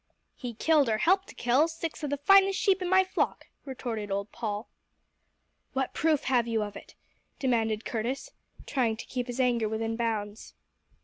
"He killed or helped to kill six of the finest sheep in my flock!" retorted old Paul. "What proof have you of it?" demanded Curtis, trying to keep his anger within bounds.